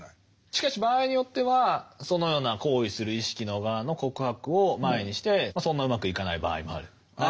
しかし場合によってはそのような行為する意識の側の告白を前にしてそんなうまくいかない場合もある。